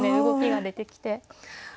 動きが出てきて。